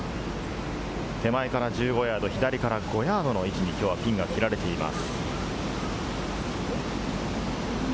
手前から１５ヤード、左から５ヤードの位置に、きょうはピンが切られています。